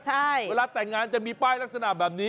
ใช่เวลาแต่งงานจะมีป้ายลักษณะแบบนี้